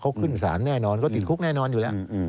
เขาขึ้นศาลแน่นอนก็ติดคุกแน่นอนอยู่แล้ว